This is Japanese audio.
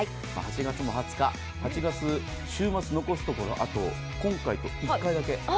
８月も２０日、週末残すところ、今回とあと１回だけ。